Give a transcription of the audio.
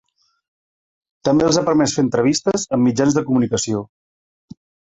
També els ha permès fer entrevistes amb mitjans de comunicació.